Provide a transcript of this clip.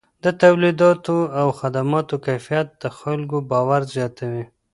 د توليداتو او خدماتو کیفیت د خلکو باور زیاتوي.